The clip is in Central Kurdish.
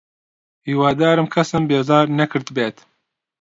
هیوادارم کەسم بێزار نەکردبێت.